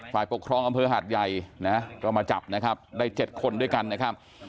ฝ่ายปกครองอำเภอหาดใหญ่นะก็มาจับนะครับได้๗คนด้วยกันนะครับ